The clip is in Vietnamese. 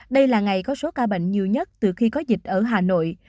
đây là ngày có số ca bệnh nhiều nhất từ khi có dịch ở hà nội